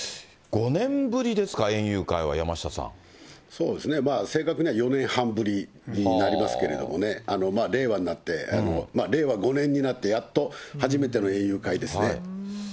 そうですね、正確には４年半ぶりになりますけれどもね、令和になって、令和５年になってやっと初めての園遊会ですね。